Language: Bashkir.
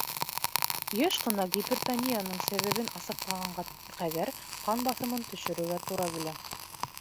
Йыш ҡына гипертонияның сәбәбен асыҡлағанға ҡәҙәр ҡан баҫымын төшөрөргә тура килә.